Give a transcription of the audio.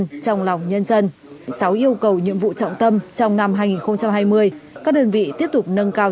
trong lòng nhân dân sáu yêu cầu nhiệm vụ trọng tâm trong năm hai nghìn hai mươi các đơn vị tiếp tục nâng cao